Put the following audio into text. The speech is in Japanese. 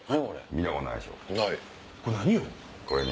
見たことないでしょ。